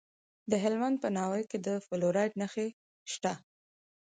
د هلمند په ناوې کې د فلورایټ نښې شته.